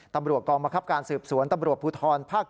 ตำรวจกองบังคับการสืบสวนตำรวจภูทรภาค๗